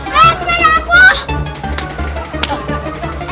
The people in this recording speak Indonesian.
liat sepeda aku